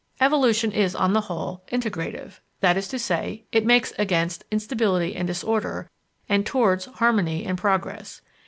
Evolution is on the whole integrative; that is to say, it makes against instability and disorder, and towards harmony and progress.